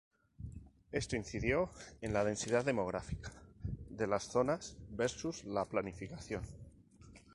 Esto incidió en la densidad demográfica de la zona versus la planificación.